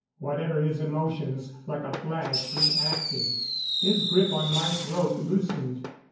Whatever his emotions, like a flash he acted. His grip on my throat loosened.